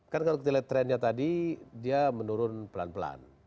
kan kalau kita lihat trennya tadi dia menurun pelan pelan